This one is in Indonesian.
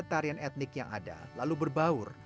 tarian etnik yang ada lalu berbaur